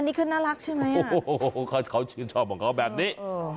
อันนี้คือน่ารักชื่อไหมอ่ะเขาชื่นชอบของเค้าแบบนี้